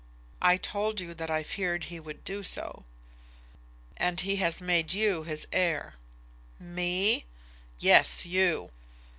"I told you that I feared he would do so." "And he has made you his heir." "Me?" "Yes; you."